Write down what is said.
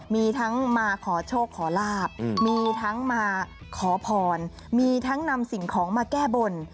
มีทั้งมาขอโชคขอลาบมีทั้งมาขอพรมีทั้งนำสิ่งของมาแก้บน